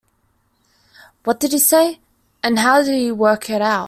What did he say, and how did he work it out?